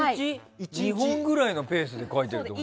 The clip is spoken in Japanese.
１日２本ぐらいのペースで書いてるってこと？